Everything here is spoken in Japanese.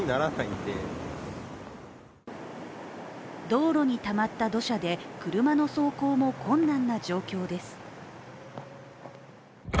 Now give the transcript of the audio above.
道路にたまった土砂で、車の走行も困難な状況です。